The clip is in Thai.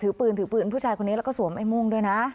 ปืนถือปืนผู้ชายคนนี้แล้วก็สวมไอ้ม่วงด้วยนะ